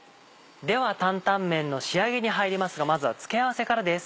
では担々麺の仕上げに入りますがまずは付け合わせからです。